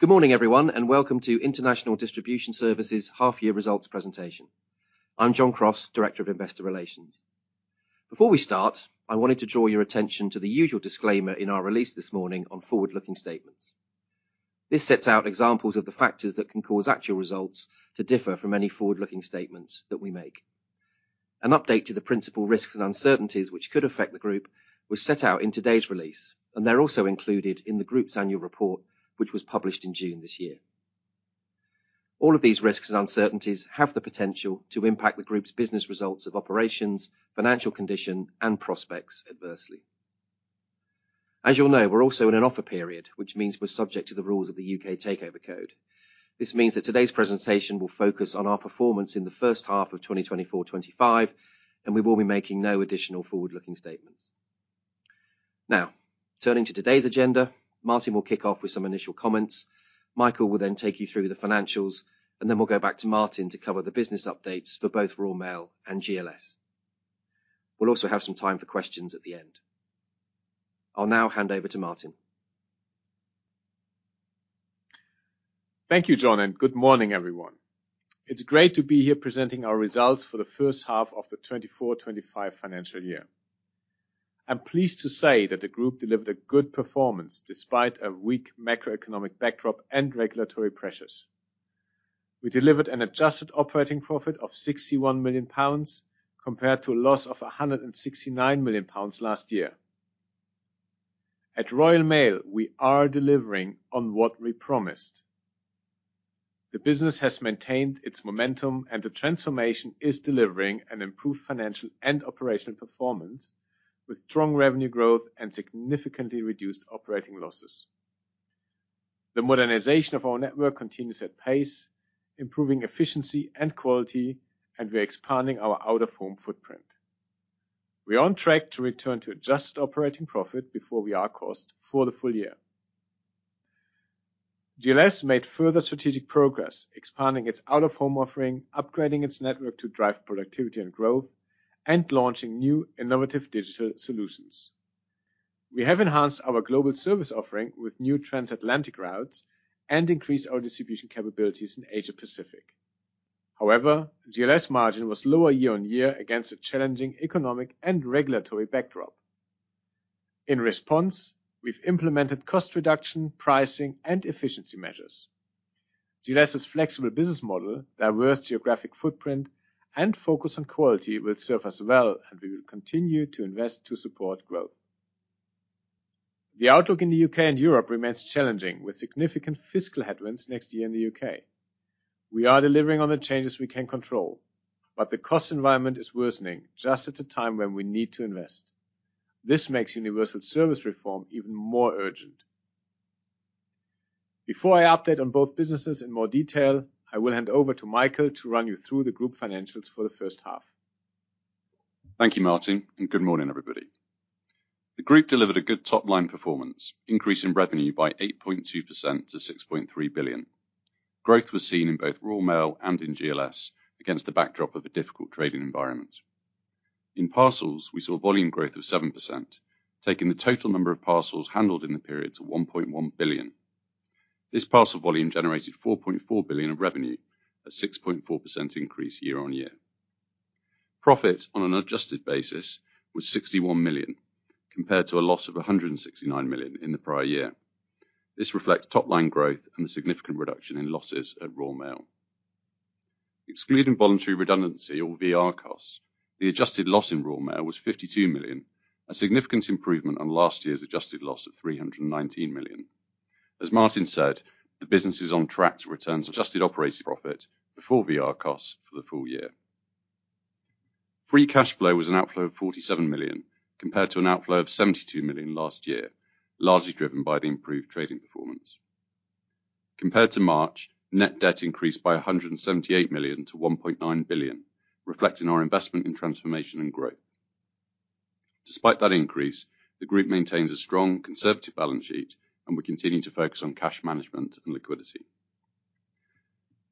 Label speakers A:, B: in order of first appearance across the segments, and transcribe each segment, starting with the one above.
A: Good morning, everyone, and welcome to International Distribution Services' half-year results presentation. I'm John Crosse, Director of Investor Relations. Before we start, I wanted to draw your attention to the usual disclaimer in our release this morning on forward-looking statements. This sets out examples of the factors that can cause actual results to differ from any forward-looking statements that we make. An update to the principal risks and uncertainties which could affect the Group was set out in today's release, and they're also included in the Group's annual report, which was published in June this year. All of these risks and uncertainties have the potential to impact the Group's business results of operations, financial condition, and prospects adversely. As you'll know, we're also in an offer period, which means we're subject to the rules of the UK Takeover Code This means that today's presentation will focus on our performance in the first half of 2024-2025, and we will be making no additional forward-looking statements. Now, turning to today's agenda, Martin will kick off with some initial comments, Michael will then take you through the financials, and then we'll go back to Martin to cover the business updates for both Royal Mail and GLS. We'll also have some time for questions at the end. I'll now hand over to Martin.
B: Thank you, John, and good morning, everyone. It's great to be here presenting our results for the first half of the 2024-2025 financial year. I'm pleased to say that the Group delivered a good performance despite a weak macroeconomic backdrop and regulatory pressures. We delivered an adjusted operating profit of 61 million pounds compared to a loss of 169 million pounds last year. At Royal Mail, we are delivering on what we promised. The business has maintained its momentum, and the transformation is delivering an improved financial and operational performance with strong revenue growth and significantly reduced operating losses. The modernization of our network continues at pace, improving efficiency and quality, and we're expanding our out-of-home footprint. We are on track to return to adjusted operating profit before year-end costs for the full year. GLS made further strategic progress, expanding its out-of-home offering, upgrading its network to drive productivity and growth, and launching new innovative digital solutions. We have enhanced our global service offering with new transatlantic routes and increased our distribution capabilities in Asia-Pacific. However, GLS margin was lower year-on-year against a challenging economic and regulatory backdrop. In response, we've implemented cost reduction, pricing, and efficiency measures. GLS's flexible business model, diverse geographic footprint, and focus on quality will serve us well, and we will continue to invest to support growth. The outlook in the U.K. and Europe remains challenging, with significant fiscal headwinds next year in the U.K. We are delivering on the changes we can control, but the cost environment is worsening just at a time when we need to invest. This makes Universal Service reform even more urgent. Before I update on both businesses in more detail, I will hand over to Michael to run you through the Group financials for the first half.
C: Thank you, Martin, and good morning, everybody. The Group delivered a good top-line performance, increasing revenue by 8.2% to £6.3 billion. Growth was seen in both Royal Mail and in GLS against the backdrop of a difficult trading environment. In parcels, we saw volume growth of 7%, taking the total number of parcels handled in the period to 1.1 billion. This parcel volume generated £4.4 billion of revenue, a 6.4% increase year-on-year. Profit on an adjusted basis was £61 million, compared to a loss of £169 million in the prior year. This reflects top-line growth and the significant reduction in losses at Royal Mail. Excluding voluntary redundancy, or VR costs, the adjusted loss in Royal Mail was £52 million, a significant improvement on last year's adjusted loss of £319 million. As Martin said, the business is on track to return adjusted operating profit before VR costs for the full year. Free cash flow was an outflow of £47 million, compared to an outflow of £72 million last year, largely driven by the improved trading performance. Compared to March, net debt increased by £178 million to £1.9 billion, reflecting our investment in transformation and growth. Despite that increase, the Group maintains a strong conservative balance sheet, and we continue to focus on cash management and liquidity.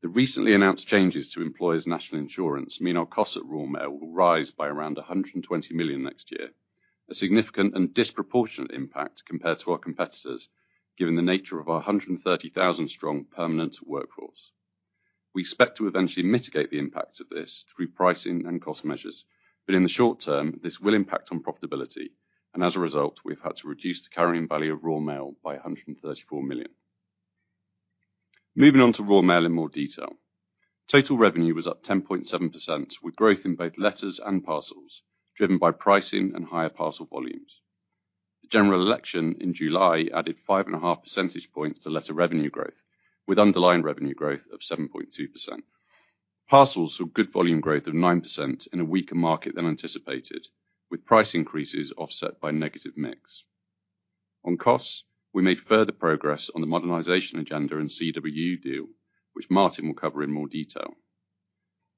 C: The recently announced changes to Employers' National Insurance mean our costs at Royal Mail will rise by around £120 million next year, a significant and disproportionate impact compared to our competitors, given the nature of our 130,000 strong permanent workforce. We expect to eventually mitigate the impact of this through pricing and cost measures, but in the short term, this will impact on profitability, and as a result, we've had to reduce the carrying value of Royal Mail by £134 million. Moving on to Royal Mail in more detail, total revenue was up 10.7%, with growth in both letters and parcels, driven by pricing and higher parcel volumes. The general election in July added 5.5 percentage points to letter revenue growth, with underlying revenue growth of 7.2%. Parcels saw good volume growth of 9% in a weaker market than anticipated, with price increases offset by negative mix. On costs, we made further progress on the modernization agenda and CWU deal, which Martin will cover in more detail.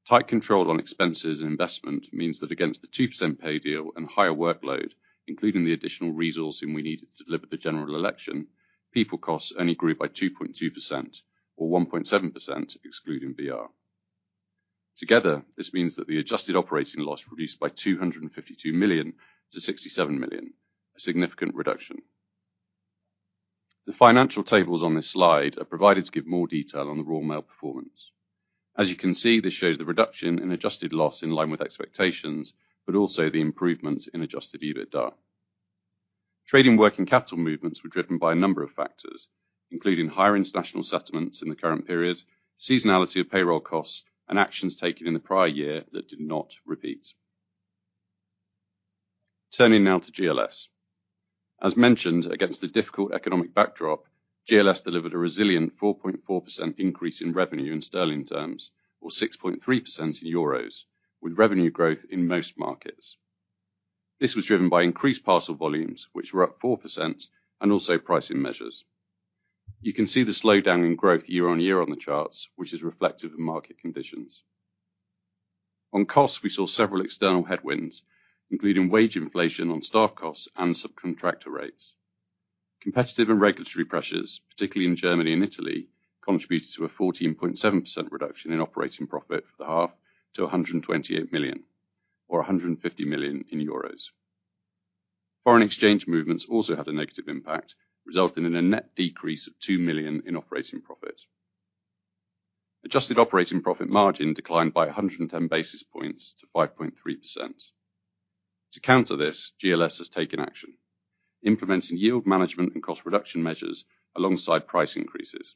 C: Tight control on expenses and investment means that against the 2% pay deal and higher workload, including the additional resourcing we needed to deliver the general election, people costs only grew by 2.2%, or 1.7% excluding VR. Together, this means that the adjusted operating loss reduced by 252 million to 67 million, a significant reduction. The financial tables on this slide are provided to give more detail on the Royal Mail performance. As you can see, this shows the reduction in adjusted loss in line with expectations, but also the improvement in adjusted EBITDA. Trading working capital movements were driven by a number of factors, including higher international settlements in the current period, seasonality of payroll costs, and actions taken in the prior year that did not repeat. Turning now to GLS. As mentioned, against the difficult economic backdrop, GLS delivered a resilient 4.4% increase in revenue in sterling terms, or 6.3% in Euros, with revenue growth in most markets. This was driven by increased parcel volumes, which were up 4%, and also pricing measures. You can see the slowdown in growth year-on-year on the charts, which is reflective of market conditions. On costs, we saw several external headwinds, including wage inflation on staff costs and subcontractor rates. Competitive and regulatory pressures, particularly in Germany and Italy, contributed to a 14.7% reduction in operating profit for the half to 128 million, or 150 million in euros. Foreign exchange movements also had a negative impact, resulting in a net decrease of 2 million in operating profit. Adjusted operating profit margin declined by 110 basis points to 5.3%. To counter this, GLS has taken action, implementing yield management and cost reduction measures alongside price increases.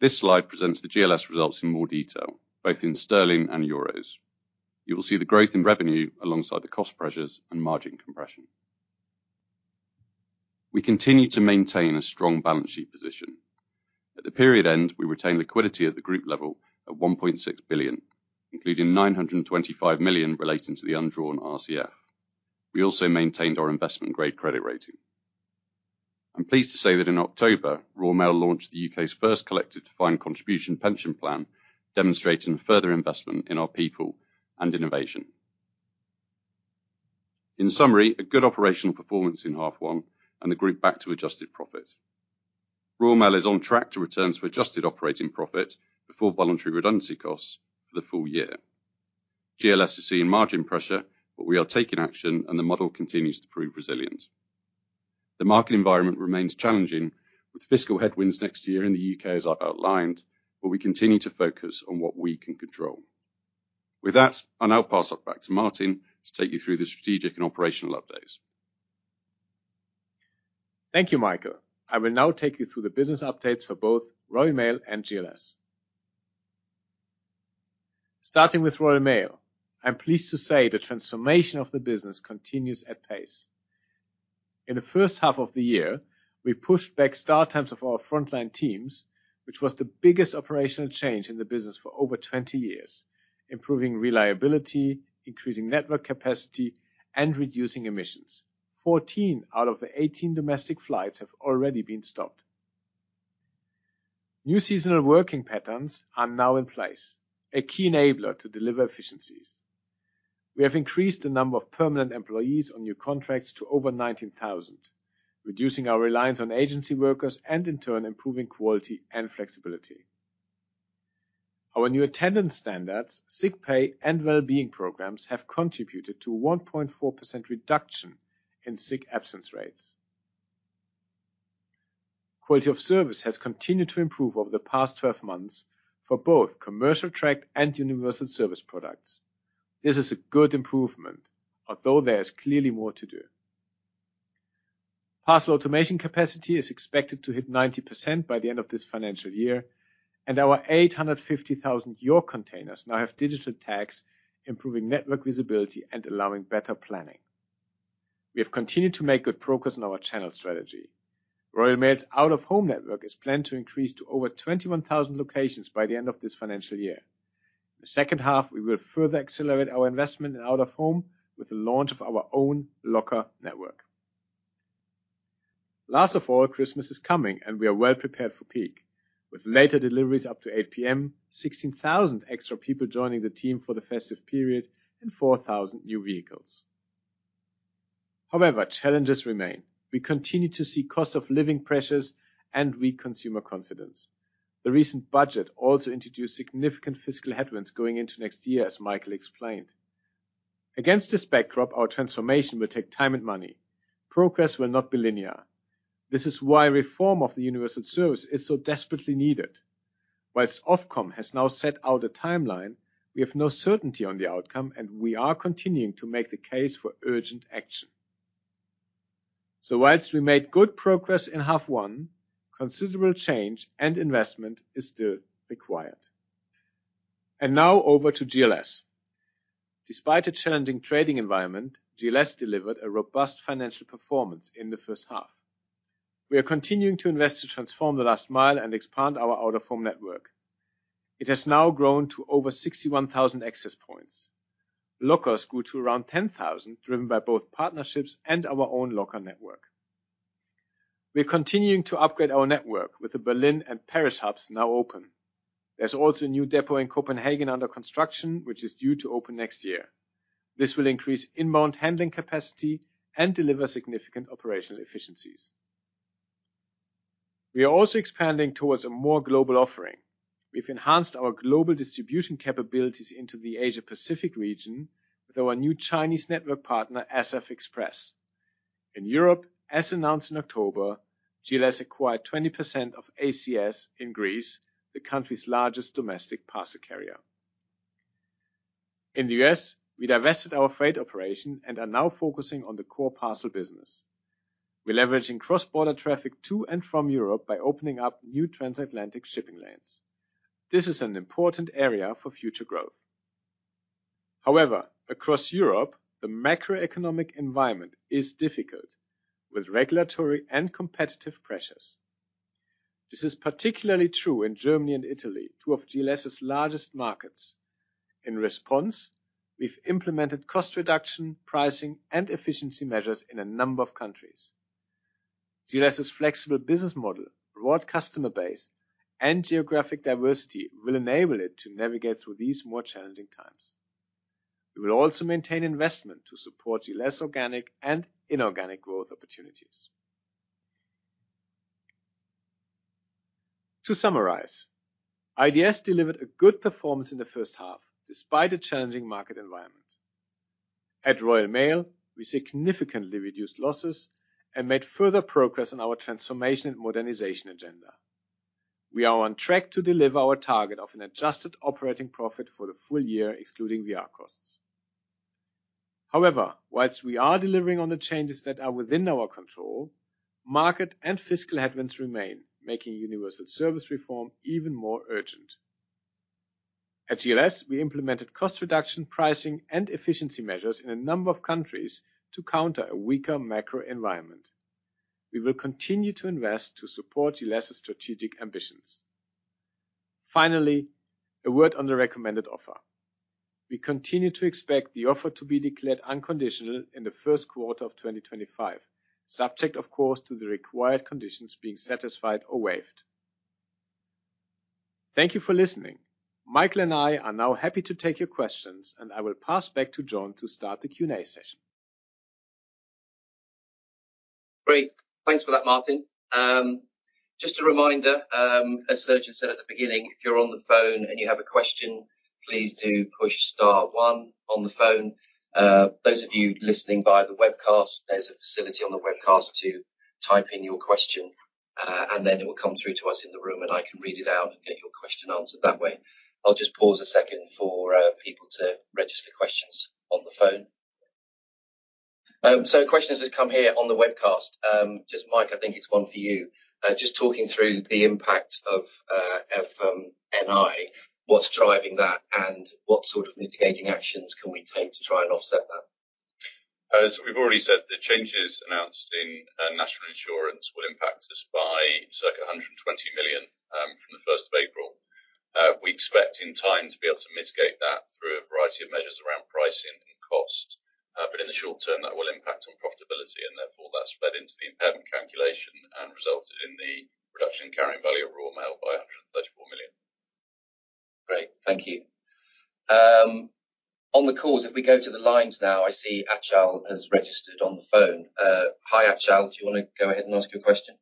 C: This slide presents the GLS results in more detail, both in sterling and euros. You will see the growth in revenue alongside the cost pressures and margin compression. We continue to maintain a strong balance sheet position. At the period end, we retained liquidity at the Group level of 1.6 billion, including 925 million relating to the undrawn RCF. We also maintained our investment-grade credit rating. I'm pleased to say that in October, Royal Mail launched the UK's first collective defined contribution pension plan, demonstrating further investment in our people and innovation. In summary, a good operational performance in half one and the Group back to adjusted profit. Royal Mail is on track to return to adjusted operating profit before voluntary redundancy costs for the full year. GLS is seeing margin pressure, but we are taking action, and the model continues to prove resilient. The market environment remains challenging, with fiscal headwinds next year in the UK, as I've outlined, but we continue to focus on what we can control. With that, I'll now pass it back to Martin to take you through the strategic and operational updates.
B: Thank you, Michael. I will now take you through the business updates for both Royal Mail and GLS. Starting with Royal Mail, I'm pleased to say the transformation of the business continues at pace. In the first half of the year, we pushed back start times of our frontline teams, which was the biggest operational change in the business for over 20 years, improving reliability, increasing network capacity, and reducing emissions. 14 out of the 18 domestic flights have already been stopped. New seasonal working patterns are now in place, a key enabler to deliver efficiencies. We have increased the number of permanent employees on new contracts to over 19,000, reducing our reliance on agency workers and, in turn, improving quality and flexibility. Our new attendance standards, sick pay, and well-being programs have contributed to a 1.4% reduction in sick absence rates. Quality of service has continued to improve over the past 12 months for both commercial track and Universal Service products. This is a good improvement, although there is clearly more to do. Parcel automation capacity is expected to hit 90% by the end of this financial year, and our 850,000 yellow containers now have digital tags, improving network visibility and allowing better planning. We have continued to make good progress on our channel strategy. Royal Mail's out-of-home network is planned to increase to over 21,000 locations by the end of this financial year. In the second half, we will further accelerate our investment in out-of-home with the launch of our own locker network. Last of all, Christmas is coming, and we are well prepared for peak, with later deliveries up to 8:00 P.M., 16,000 extra people joining the team for the festive period, and 4,000 new vehicles. However, challenges remain. We continue to see cost of living pressures and weak consumer confidence. The recent budget also introduced significant fiscal headwinds going into next year, as Michael explained. Against this backdrop, our transformation will take time and money. Progress will not be linear. This is why reform of the Universal Service is so desperately needed. Whilst Ofcom has now set out a timeline, we have no certainty on the outcome, and we are continuing to make the case for urgent action. So whilst we made good progress in half one, considerable change and investment is still required. And now over to GLS. Despite a challenging trading environment, GLS delivered a robust financial performance in the first half. We are continuing to invest to transform the last mile and expand our out-of-home network. It has now grown to over 61,000 access points. Lockers grew to around 10,000, driven by both partnerships and our own locker network. We are continuing to upgrade our network with the Berlin and Paris hubs now open. There's also a new depot in Copenhagen under construction, which is due to open next year. This will increase inbound handling capacity and deliver significant operational efficiencies. We are also expanding towards a more global offering. We've enhanced our global distribution capabilities into the Asia-Pacific region with our new Chinese network partner, SF Express. In Europe, as announced in October, GLS acquired 20% of ACS in Greece, the country's largest domestic parcel carrier. In the U.S., we divested our freight operation and are now focusing on the core parcel business. We're leveraging cross-border traffic to and from Europe by opening up new transatlantic shipping lanes. This is an important area for future growth. However, across Europe, the macroeconomic environment is difficult with regulatory and competitive pressures. This is particularly true in Germany and Italy, two of GLS's largest markets. In response, we've implemented cost reduction, pricing, and efficiency measures in a number of countries. GLS's flexible business model, broad customer base, and geographic diversity will enable it to navigate through these more challenging times. We will also maintain investment to support GLS organic and inorganic growth opportunities. To summarize, IDS delivered a good performance in the first half despite a challenging market environment. At Royal Mail, we significantly reduced losses and made further progress on our transformation and modernization agenda. We are on track to deliver our target of an adjusted operating profit for the full year, excluding VR costs. However, whilst we are delivering on the changes that are within our control, market and fiscal headwinds remain, making Universal Service reform even more urgent. At GLS, we implemented cost reduction, pricing, and efficiency measures in a number of countries to counter a weaker macro environment. We will continue to invest to support GLS's strategic ambitions. Finally, a word on the recommended offer. We continue to expect the offer to be declared unconditional in the first quarter of 2025, subject, of course, to the required conditions being satisfied or waived. Thank you for listening. Michael and I are now happy to take your questions, and I will pass back to John to start the Q&A session.
A: Great. Thanks for that, Martin. Just a reminder, as Simon said at the beginning, if you're on the phone and you have a question, please do push star one on the phone. Those of you listening via the webcast, there's a facility on the webcast to type in your question, and then it will come through to us in the room, and I can read it out and get your question answered that way. I'll just pause a second for people to register questions on the phone. So questions have come here on the webcast. Just, Mike, I think it's one for you. Just talking through the impact of NI, what's driving that, and what sort of mitigating actions can we take to try and offset that?
C: So we've already said the changes announced in National Insurance will impact us by circa 120 million from the 1st of April. We expect in time to be able to mitigate that through a variety of measures around pricing and cost, but in the short term, that will impact on profitability, and therefore that's fed into the impairment calculation and resulted in the reduction in carrying value of Royal Mail by 134 million.
A: Great. Thank you. On the calls, if we go to the lines now, I see Achal has registered on the phone. Hi, Achal, do you want to go ahead and ask your question?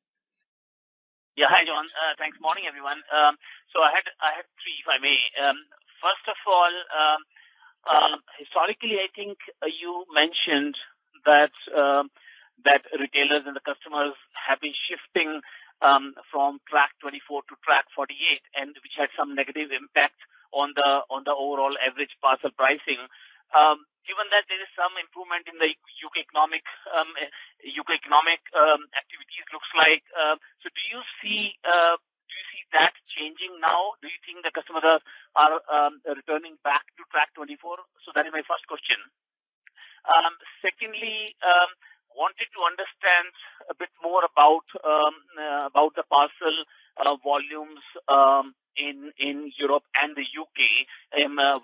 A: Yeah, hi, John. Good morning, everyone. So I have three, if I may. First of all, historically, I think you mentioned that retailers and the customers have been shifting from Track 24 to Track 48, which had some negative impact on the overall average parcel pricing. Given that there is some improvement in the economic activities, it looks like. So do you see that changing now? Do you think the customers are returning back to Track 24? So that is my first question. Secondly, I wanted to understand a bit more about the parcel volumes in Europe and the UK.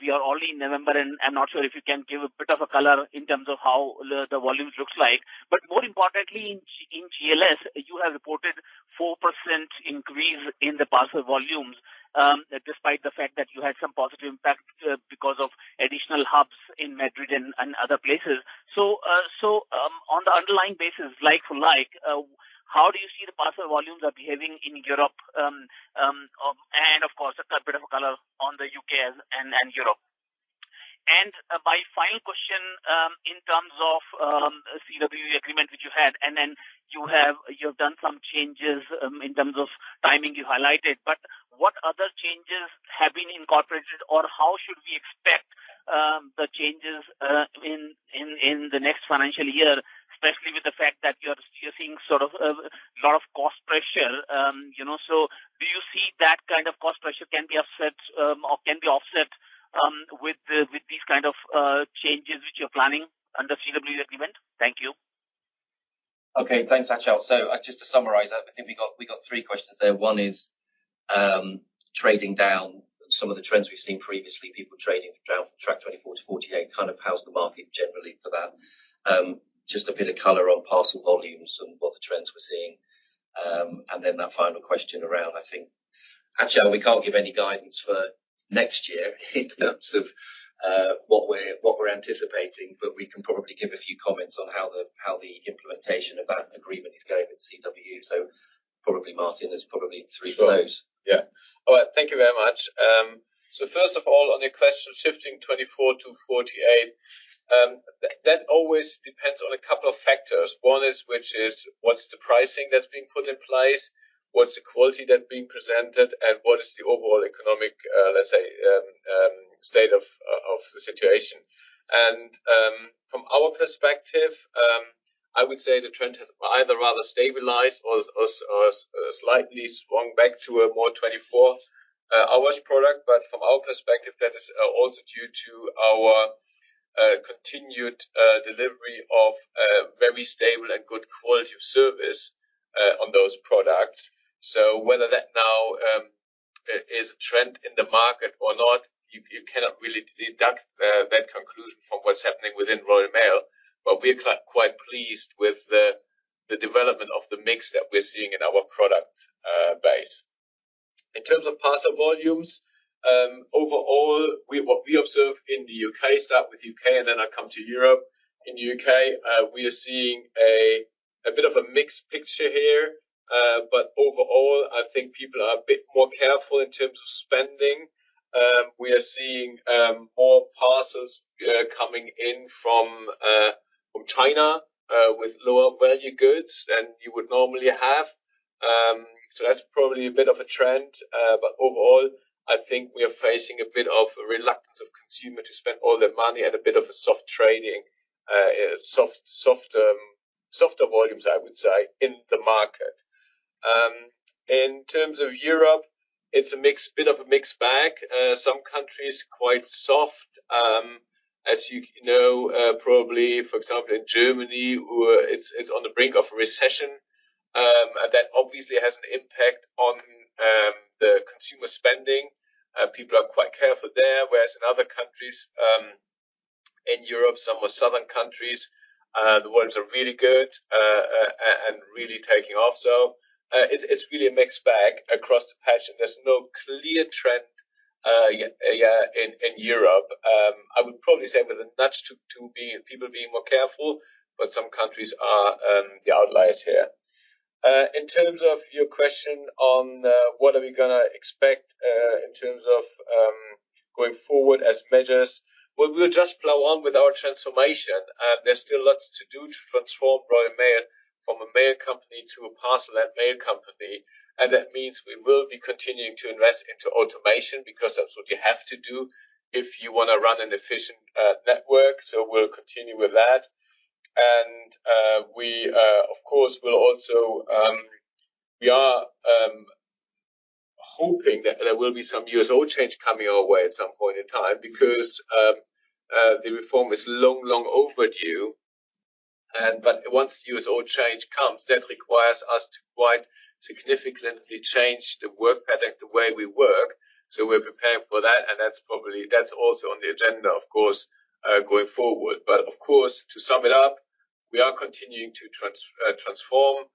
A: We are already in November, and I'm not sure if you can give a bit of a color in terms of how the volumes look like. But more importantly, in GLS, you have reported a 4% increase in the parcel volumes, despite the fact that you had some positive impact because of additional hubs in Madrid and other places. So on the underlying basis, like for like, how do you see the parcel volumes are behaving in Europe and, of course, a bit of a color on the UK and Europe? And my final question in terms of the CWU agreement, which you had, and then you have done some changes in terms of timing you highlighted, but what other changes have been incorporated, or how should we expect the changes in the next financial year, especially with the fact that you're seeing sort of a lot of cost pressure? Do you see that kind of cost pressure can be offset with these kinds of changes which you're planning under CWU agreement? Thank you.
C: Okay, thanks, Achal. So just to summarize, I think we got three questions there. One is trading down some of the trends we've seen previously, people trading from Track 24 to Track 48, kind of how's the market generally for that? Just a bit of color on parcel volumes and what the trends we're seeing. And then that final question around, I think, Achal, we can't give any guidance for next year in terms of what we're anticipating, but we can probably give a few comments on how the implementation of that agreement is going with CWU. So Martin has probably three for those.
B: Yeah. All right. Thank you very much. So first of all, on your question, shifting 24 to 48, that always depends on a couple of factors. One is, which is what's the pricing that's being put in place, what's the quality that's being presented, and what is the overall economic, let's say, state of the situation. And from our perspective, I would say the trend has either rather stabilized or slightly swung back to a more 24-hour product. But from our perspective, that is also due to our continued delivery of very stable and good quality of service on those products. So whether that now is a trend in the market or not, you cannot really deduce that conclusion from what's happening within Royal Mail. But we're quite pleased with the development of the mix that we're seeing in our product base. In terms of parcel volumes, overall, what we observe in the U.K., start with the U.K., and then I come to Europe. In the U.K., we are seeing a bit of a mixed picture here, but overall, I think people are a bit more careful in terms of spending. We are seeing more parcels coming in from China with lower value goods than you would normally have. So that's probably a bit of a trend, but overall, I think we are facing a bit of a reluctance of consumer to spend all their money and a bit of a soft trading, softer volumes, I would say, in the market. In terms of Europe, it's a bit of a mixed bag. Some countries are quite soft, as you know, probably, for example, in Germany, it's on the brink of a recession. That obviously has an impact on the consumer spending. People are quite careful there. Whereas in other countries in Europe, some of the southern countries, the volumes are really good and really taking off. So it's really a mixed bag across the patch. And there's no clear trend in Europe. I would probably say with a nudge to people being more careful, but some countries are the outliers here. In terms of your question on what are we going to expect in terms of going forward as measures, well, we'll just plow on with our transformation. There's still lots to do to transform Royal Mail from a mail company to a parcel and mail company. And that means we will be continuing to invest into automation because that's what you have to do if you want to run an efficient network. So we'll continue with that. We, of course, will also be hoping that there will be some USO change coming our way at some point in time because the reform is long, long overdue. Once the USO change comes, that requires us to quite significantly change the work patterns, the way we work. We're prepared for that. That's also on the agenda, of course, going forward. Of course, to sum it up, we are continuing to transform.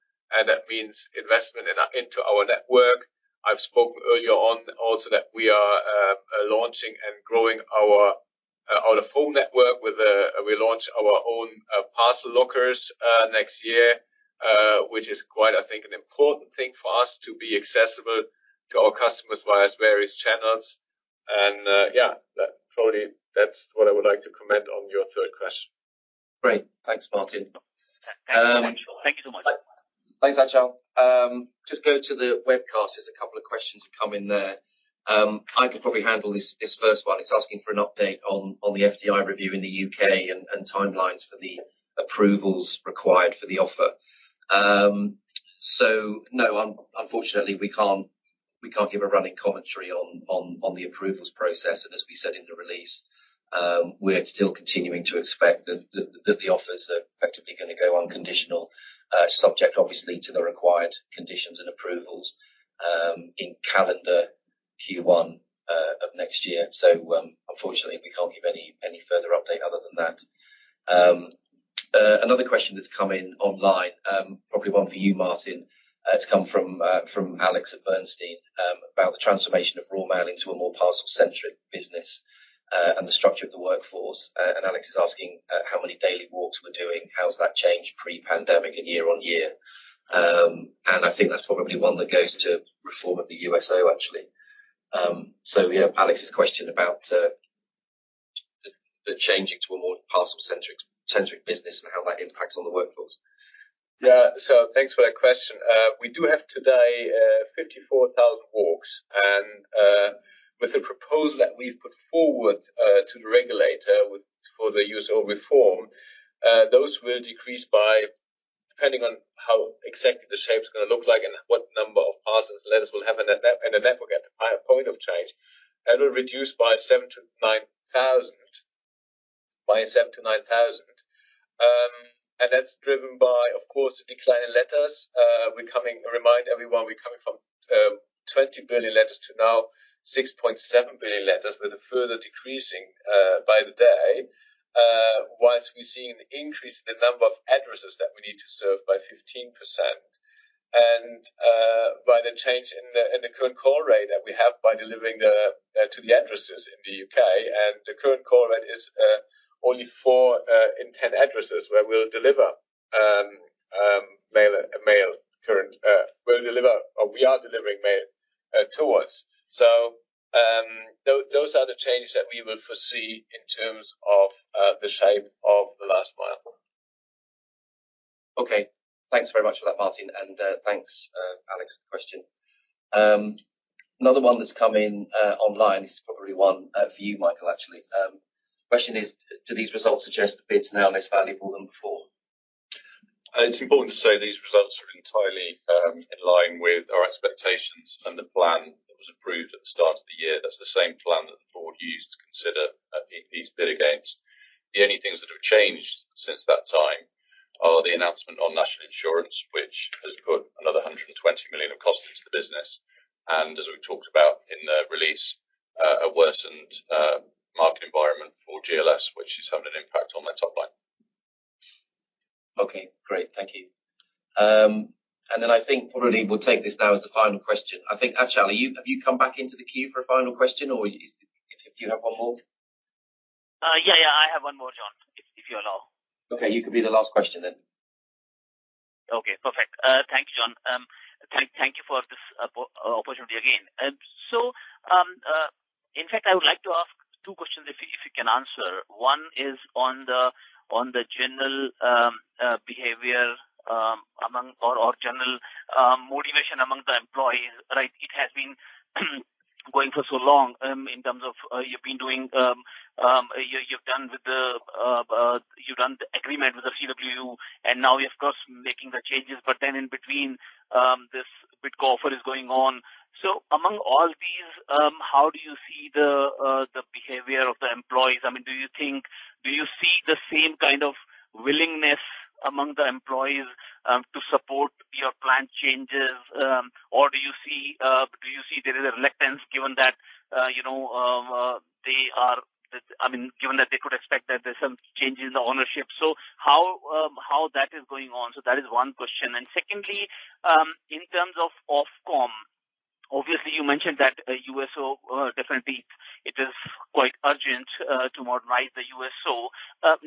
B: That means investment into our network. I've spoken earlier on also that we are launching and growing our own network. We launched our own parcel lockers next year, which is quite, I think, an important thing for us to be accessible to our customers via various channels. Yeah, probably that's what I would like to comment on your third question. Great. Thanks, Martin.
A: Thank you so much. Thanks, Achal. Just go to the webcast. There's a couple of questions that come in there. I can probably handle this first one. It's asking for an update on the FDI review in the U.K. and timelines for the approvals required for the offer. So no, unfortunately, we can't give a running commentary on the approvals process. And as we said in the release, we're still continuing to expect that the offers are effectively going to go unconditional, subject, obviously, to the required conditions and approvals in calendar Q1 of next year. So unfortunately, we can't give any further update other than that. Another question that's come in online, probably one for you, Martin. It's come from Alex at Bernstein about the transformation of Royal Mail into a more parcel-centric business and the structure of the workforce. And Alex is asking how many daily walks we're doing, how's that changed pre-pandemic and year on year. And I think that's probably one that goes to reform of the USO, actually. So yeah, Alex's question about the changing to a more parcel-centric business and how that impacts on the workforce.
B: Yeah. So thanks for that question. We do have today 54,000 walks. And with the proposal that we've put forward to the regulator for the USO reform, those will decrease by, depending on how exactly the shape is going to look like and what number of parcels letters will have in a network at the point of change, it will reduce by 7,000-9,000. And that's driven by, of course, the decline in letters. We're coming. Remind everyone, we're coming from 20 billion letters to now 6.7 billion letters, with a further decreasing by the day, while we're seeing an increase in the number of addresses that we need to serve by 15%. And by the change in the current call rate that we have by delivering to the addresses in the U.K., and the current call rate is only four in 10 addresses where we'll deliver mail currently, where we are delivering mail towards. So those are the changes that we will foresee in terms of the shape of the last mile.
A: Okay. Thanks very much for that, Martin. And thanks, Alex, for the question. Another one that's come in online is probably one for you, Michael, actually. The question is, do these results suggest that bids are now less valuable than before?
C: It's important to say these results are entirely in line with our expectations and the plan that was approved at the start of the year. That's the same plan that the board used to consider these bids against. The only things that have changed since that time are the announcement on National Insurance, which has put another £120 million of costs into the business, and as we talked about in the release, a worsened market environment for GLS, which is having an impact on their top line.
A: Okay. Great. Thank you. And then I think probably we'll take this now as the final question. I think, Achal, have you come back into the queue for a final question, or if you have one more? Yeah, yeah. I have one more, John, if you allow. Okay. You can be the last question then. Okay. Perfect. Thank you, John. Thank you for this opportunity again. So in fact, I would like to ask two questions if you can answer. One is on the general behavior or general motivation among the employees, right? It has been going for so long in terms of you've done the agreement with the CWU, and now you're of course making the changes, but then in between, this bid offer is going on. So among all these, how do you see the behavior of the employees? I mean, do you see the same kind of willingness among the employees to support your plan changes, or do you see there is a reluctance given that they are, I mean, given that they could expect that there's some changes in the ownership? So how that is going on? So that is one question. And secondly, in terms of Ofcom, obviously, you mentioned that USO definitely it is quite urgent to modernize the USO.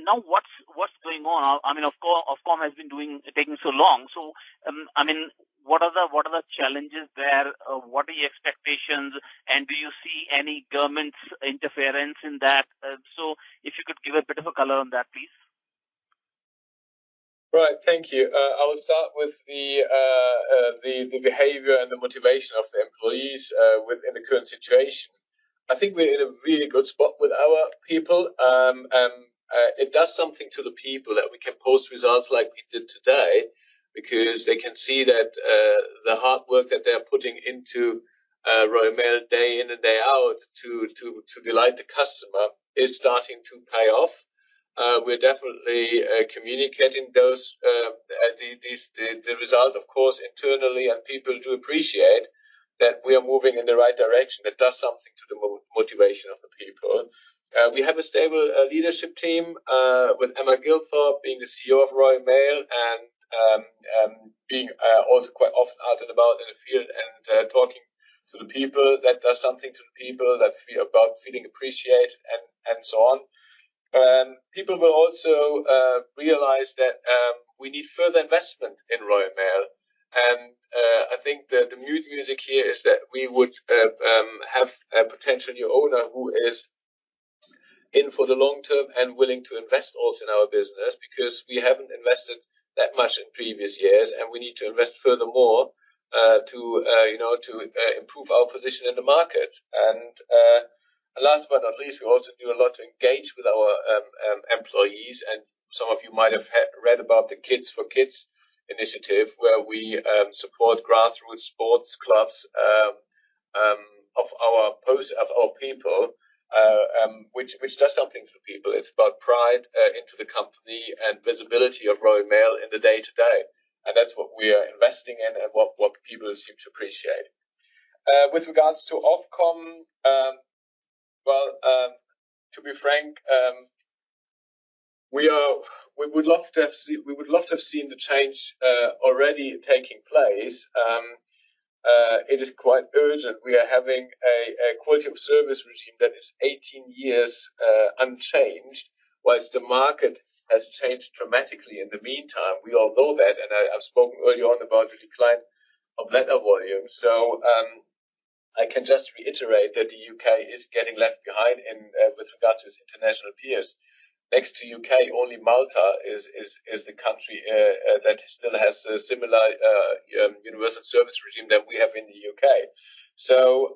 A: Now, what's going on? I mean, Ofcom has been taking so long. So I mean, what are the challenges there? What are your expectations? And do you see any government's interference in that? So if you could give a bit of a color on that, please.
B: Right. Thank you. I will start with the behavior and the motivation of the employees within the current situation. I think we're in a really good spot with our people. And it does something to the people that we can post results like we did today because they can see that the hard work that they're putting into Royal Mail day in and day out to delight the customer is starting to pay off. We're definitely communicating the results, of course, internally, and people do appreciate that we are moving in the right direction. It does something to the motivation of the people. We have a stable leadership team with Emma Gilthorpe being the CEO of Royal Mail and being also quite often out and about in the field and talking to the people. That does something to the people that we are about feeling appreciated and so on. People will also realize that we need further investment in Royal Mail. And I think the mood music here is that we would have a potential new owner who is in for the long term and willing to invest also in our business because we haven't invested that much in previous years, and we need to invest furthermore to improve our position in the market. And last but not least, we also do a lot to engage with our employees. And some of you might have read about the Kits for Kids initiative, where we support grassroots sports clubs of our people, which does something to the people. It's about pride into the company and visibility of Royal Mail in the day-to-day. And that's what we are investing in and what people seem to appreciate. With regards to Ofcom, well, to be frank, we would love to have seen the change already taking place. It is quite urgent. We are having a quality of service regime that is 18 years unchanged, whilst the market has changed dramatically in the meantime. We all know that. And I've spoken earlier on about the decline of letter volumes. So I can just reiterate that the U.K. is getting left behind with regards to its international peers. Next to U.K., only Malta is the country that still has a similar Universal service regime that we have in the U.K. So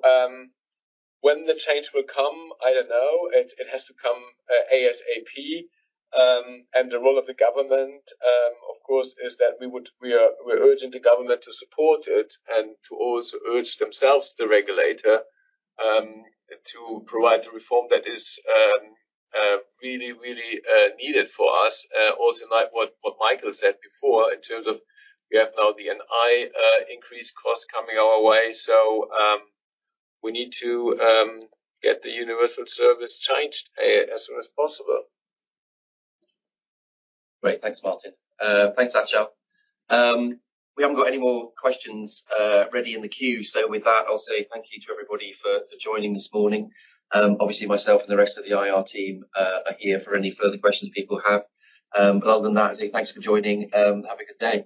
B: when the change will come, I don't know. It has to come ASAP. And the role of the government, of course, is that we are urging the government to support it and to also urge themselves, the regulator, to provide the reform that is really, really needed for us. Also, like what Michael said before, in terms of we have now the NI increased costs coming our way. So, we need to get the Universal Service changed as soon as possible.
A: Great. Thanks, Martin. Thanks, Achal. We haven't got any more questions ready in the queue. So with that, I'll say thank you to everybody for joining this morning. Obviously, myself and the rest of the IR team are here for any further questions people have. But other than that, I say thanks for joining. Have a good day.